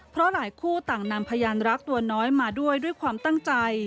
เพราะหลายคู่ต่างนำพยานรักตัวน้อยมาด้วยด้วยความตั้งใจ